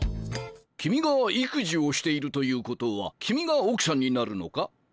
君が育児をしているということは君が奥さんになるのか？